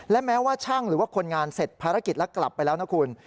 และแม้ว่าช่างหรือว่าคนงานเสร็จภารกิจแล้วกลับไปแล้วนะคุณ